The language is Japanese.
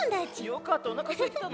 よかったおなかすいてたの。